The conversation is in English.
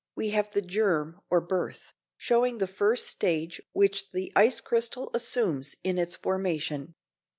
128, we have the germ or birth, showing the first stage which the ice crystal assumes in its formation.